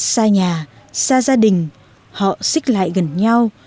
xa nhà xa gia đình họ xích lại gần nhau